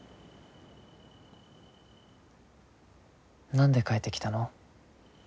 何で帰ってきたの？